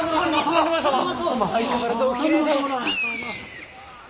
相変わらずおきれいで。